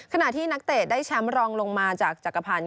ขณะที่นักเตะได้แชมป์รองลงมาจากจักรพันธ์